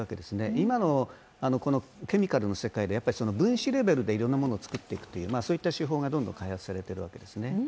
今のケミカルの世界で分子レベルでいろんなものを作っていくという手法がどんどん開発されているわけですね。